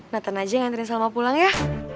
natan aja yang hantarin salma pulang ya